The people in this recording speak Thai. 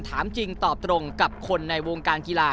ถามจริงตอบตรงกับคนในวงการกีฬา